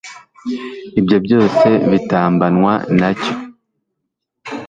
ibyo byose bitambanwa na cyo